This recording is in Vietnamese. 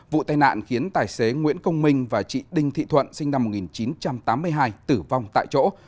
vụ tai nạn khiến tài xế nguyễn công minh và chị đinh thị thuận sinh năm một nghìn chín trăm tám mươi hai tử vong tại chỗ